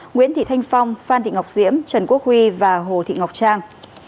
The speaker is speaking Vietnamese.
nguyễn thị thanh phong phan thị ngọc diễm trần quốc huy và hồ thị ngọc trang